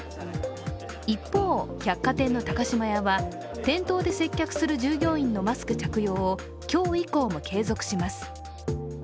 一方、百貨店の高島屋は店頭で接客する従業員のマスク着用を今日以降も継続します。